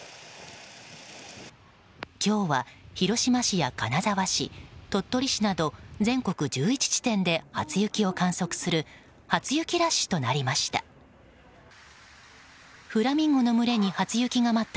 今日は、広島市や金沢市鳥取市など全国１１地点で初雪を観測する初雪ラッシュとなりました。